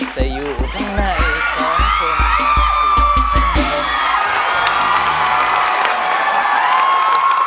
จะอยู่ข้างในตรงคุณ